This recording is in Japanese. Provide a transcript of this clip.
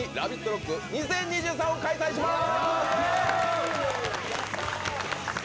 ロック２０２３」を開催します。